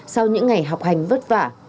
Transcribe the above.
sau những ngày học hành vất vả